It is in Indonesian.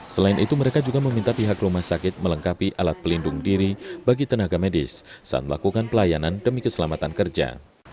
selain itu mereka juga meminta pihak rumah sakit melengkapi alat pelindung diri bagi tenaga medis saat melakukan pelayanan demi keselamatan kerja